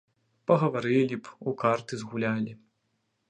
Пагаварылі б, у карты згулялі.